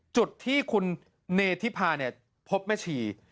จุดที่คุณเนธิพาพบแม่ชี